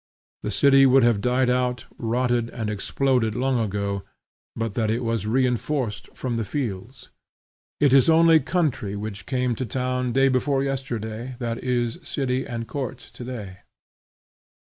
The city would have died out, rotted, and exploded, long ago, but that it was reinforced from the fields. It is only country which came to town day before yesterday that is city and court today.